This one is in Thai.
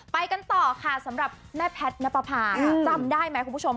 ไปกันต่อค่ะสำหรับแม่แพทย์ณปภาจำได้ไหมคุณผู้ชม